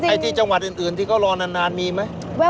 ที่จังหวัดอื่นที่เขารอนานมีไหม